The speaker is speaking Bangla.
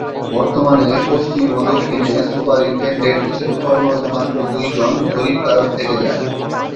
বর্তমানে পশ্চিম ও দক্ষিণে সুপারিন্টেনডেন্ট হিসেবে কর্মরত মাত্র দুইজন জরিপকারক থেকে যায়।